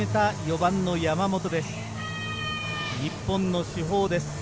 日本の主砲です。